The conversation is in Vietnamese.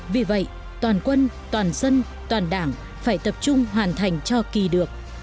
vì vậy toàn quân toàn dân toàn đảng phải tập trung hoàn thành cho kỳ được